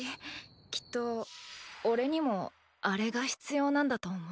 きっとおれにもあれが必要なんだと思う。